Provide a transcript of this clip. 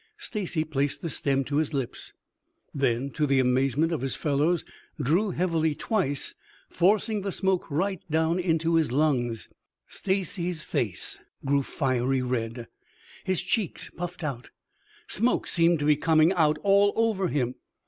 Stacy placed the stem to his lips, then, to the amazement of his fellows, drew heavily twice, forcing the smoke right down into his lungs. Stacy's face grew fiery red, his cheeks puffed out. Smoke seemed to be coming out all over him.